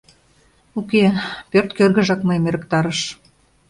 Уке, пӧрт кӧргыжак мыйым ӧрыктарыш.